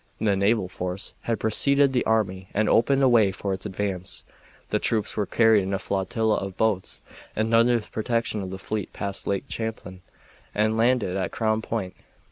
The naval force had preceded the army and opened a way for its advance. The troops were carried in a flotilla of boats, and under the protection of the fleet passed Lake Champlain and landed at Crown Point.